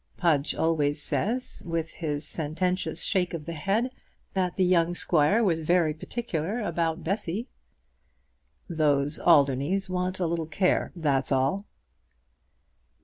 Pudge always says, with his sententious shake of the head, that the young squire was very particular about Bessy." "Those Alderneys want a little care, that's all."